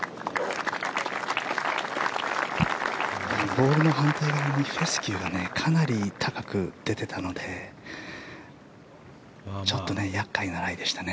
ボールの反対側にフェスキューがかなり高く出ていたのでちょっと厄介なライでしたね。